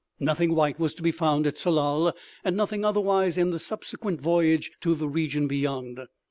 Nothing _white_was to be found at Tsalal, and nothing otherwise in the subsequent voyage to the region beyond.